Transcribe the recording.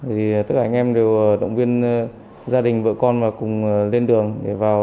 thì tất cả anh em đều động viên gia đình vợ con và cùng lên đường để vào